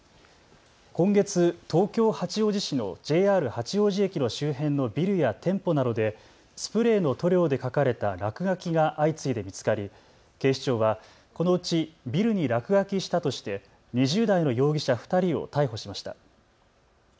今月、東京八王子市のＪＲ八王子駅の周辺のビルや店舗などでスプレーの塗料で書かれた落書きが相次いで見つかり、警視庁はこのうちビルに落書きしたとして２０代の容疑者２人を逮捕しました。